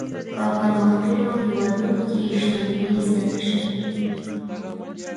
په پرمختللو هېوادونو کې شتمني زیاته شوې.